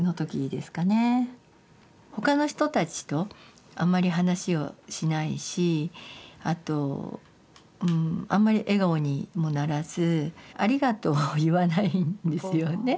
他の人たちとあんまり話をしないしあとうんあんまり笑顔にもならず「ありがとう」を言わないんですよね。